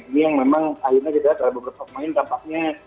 ini yang memang akhirnya kita lihat beberapa pemain tampaknya